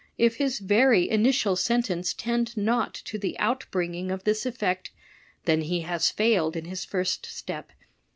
If his very initial sentence tend not to the outbringing of this effect, then he has failed in his first step.